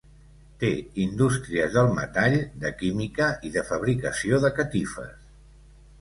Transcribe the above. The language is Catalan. Té indústries del metall, de química i de fabricació de catifes.